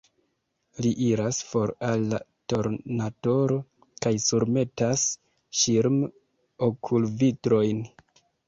Li iras for al la tornatoro kaj surmetas ŝirm-okulvitrojn.